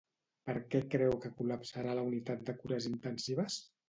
Per què creu que col·lapsarà la unitat de cures intensives?